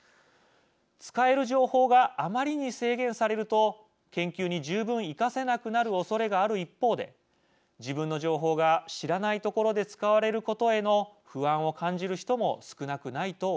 使える情報があまりに制限されると研究に十分生かせなくなるおそれがある一方で自分の情報が知らないところで使われることへの不安を感じる人も少なくないと思います。